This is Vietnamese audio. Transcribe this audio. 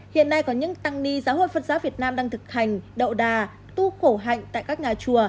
hiện nay có những tăng ni giáo hội phật giáo việt nam đang thực hành đậu đà tu cổ hạnh tại các nhà chùa